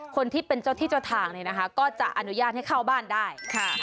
คนที่เป็นเจ้าที่เจ้าทางเนี่ยนะคะก็จะอนุญาตให้เข้าบ้านได้ค่ะ